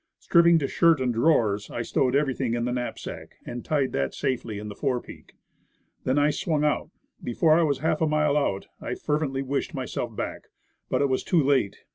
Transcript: Stripping to shirt and drawers, I stowed everything in the knapsack, and tied that safely in the fore peak. Then I swung out. Before I was a half mile out, I fervently wished myself back. Overboard. 145 But it was too late.